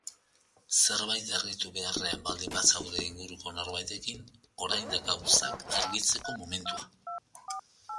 Zerbait argitu beharrean baldin bazaude inguruko norbaitekin, orain da agauzak argitzeko momentua.